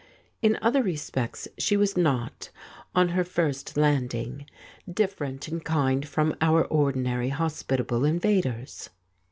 In other respects she was not, on her first land 127 The False Step ing, different in kind from our ordinary hospitable invaders.